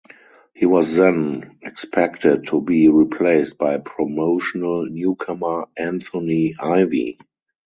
He was then expected to be replaced by promotional newcomer Anthony Ivy.